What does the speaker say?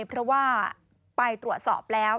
เพราะว่าไปตรวจสอบแล้ว